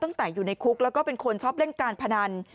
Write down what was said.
ตั้งแต่อยู่ในคุกแล้วก็เป็นคนชอบเล่นการพนัน